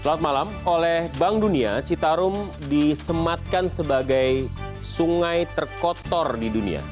selamat malam oleh bank dunia citarum disematkan sebagai sungai terkotor di dunia